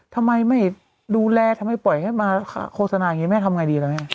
ทำไมไม่ดูแลทำไมปล่อยให้มาโฆษณาอย่างนี้แม่ทำไงดีล่ะแม่